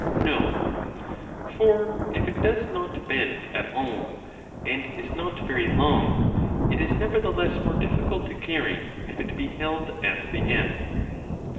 No, for if it does not bend at all and is not very long, it is 10 nevertheless more difficult to carry if it is held at the end.